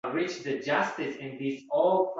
kamalakday tovlanib-turlanaman.